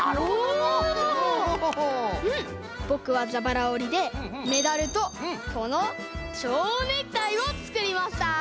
ぼくはじゃばらおりでメダルとこのちょうネクタイをつくりました。